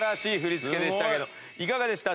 いかがでした？